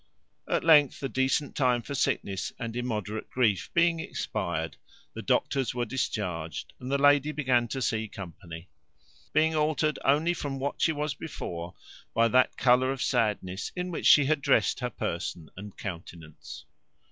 At length the decent time for sickness and immoderate grief being expired, the doctors were discharged, and the lady began to see company; being altered only from what she was before, by that colour of sadness in which she had dressed her person and countenance.